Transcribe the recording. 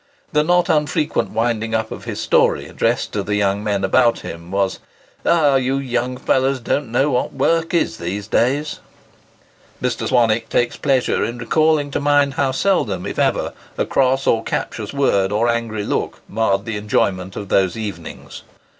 The not unfrequent winding up of his story addressed to the young men about him, was, "Ah! ye young fellows don't know what wark is in these days!" Mr. Swanwick takes pleasure in recalling to mind how seldom, if ever, a cross or captious word, or an angry look, marred the enjoyment of those evenings.